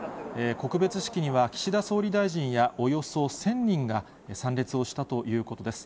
告別式には岸田総理大臣やおよそ１０００人が参列をしたということです。